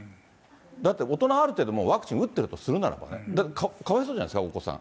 だって大人はある程度ワクチン打ってるとするならば、だってかわいそうじゃないですか、お子さん。